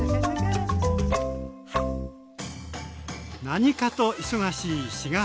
何かと忙しい４月。